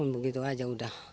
begitu aja udah